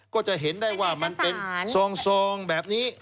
ก็จะเห็นได้ว่ามันเป็นซองแบบนี้